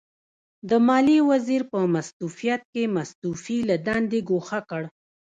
د ماليې وزیر په مستوفیت کې مستوفي له دندې ګوښه کړ.